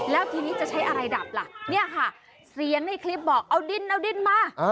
แล้วทีนี้จะใช้อะไรดับล่ะเนี่ยค่ะเสียงในคลิปบอกเอาดินเอาดินมา